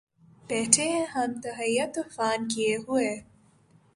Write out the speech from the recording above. بیٹهے ہیں ہم تہیّہ طوفاں کئے ہوئے